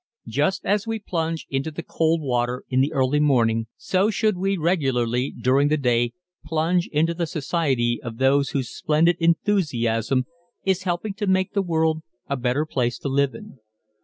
Just as we plunge into the cold water in the early morning so should we regularly during the day plunge into the society of those whose splendid enthusiasm is helping to make the world a better place to live in.